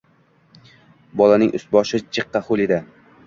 Bolaning ust-boshi jiqqa ho‘l edi.